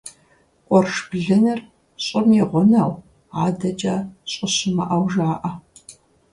Къурш блыныр – щӀым и гъунэу, адэкӀэ щӀы щымыӀэу жаӀэ.